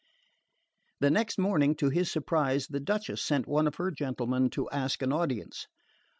The next morning, to his surprise, the Duchess sent one of her gentlemen to ask an audience.